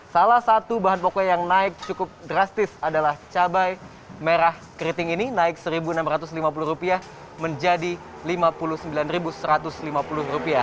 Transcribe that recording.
salah satu bahan pokok yang naik cukup drastis adalah cabai merah keriting ini naik rp satu enam ratus lima puluh menjadi rp lima puluh sembilan satu ratus lima puluh